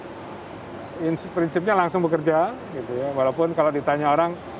jadi prinsipnya langsung bekerja walaupun kalau ditanya orang